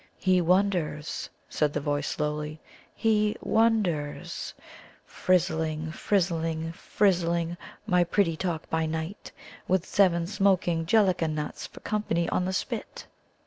"He wonders," said the voice slowly "he wonders! Frizzling, frizzling, frizzling, my pretty Talk by Night, with seven smoking Gelica nuts for company on the spit."